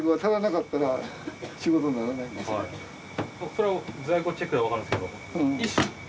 それは在庫チェックでわかるんですど。